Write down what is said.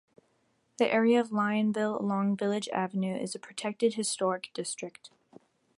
The area of Lionville along Village Avenue is a protected historic district.